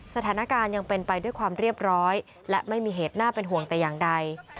สถานการณ์ยังเป็นไปด้วยความเรียบร้อยและไม่มีเหตุน่าเป็นห่วงแต่อย่างใด